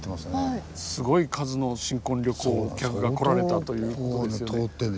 すごい数の新婚旅行の客が来られたという事ですよね。